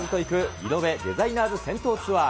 リノベ・デザイナーズ銭湯ツアー。